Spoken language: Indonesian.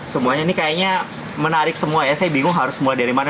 semuanya ini kayaknya menarik semua ya saya bingung harus mulai dari mana